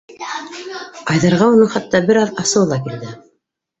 Айҙарға уның хатта бер аҙ асыуы ла килде.